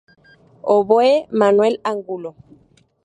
Oboe: Manuel Angulo.